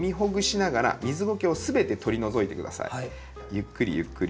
ゆっくりゆっくり。